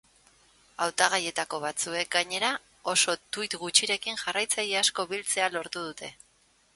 Hautagaietako batzuek, gainera, oso tuit gutxirekin jarraitzaile asko biltzea lortu dute.